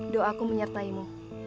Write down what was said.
do'a aku menyertaimu